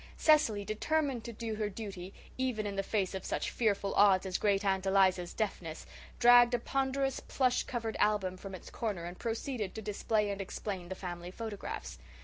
Cecily, determined to do her duty even in the face of such fearful odds as Great aunt Eliza's deafness, dragged a ponderous, plush covered album from its corner and proceeded to display and explain the family photographs.